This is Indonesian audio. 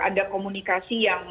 ada komunikasi yang